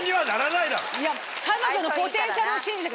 いや彼女のポテンシャルを信じて。